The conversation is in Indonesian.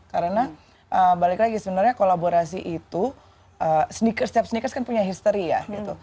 karena balik lagi sebenarnya kolaborasi itu sneakers setiap sneakers kan punya history ya